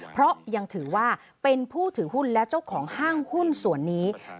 เพราะยังถือว่าเป็นผู้ถือหุ้นและเจ้าของห้างหุ้นส่วนนี้